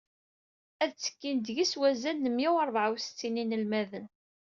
Ad ttekkin deg-s wazal n mya u rebεa u settin n yinelmaden.